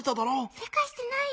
せかしてないよ。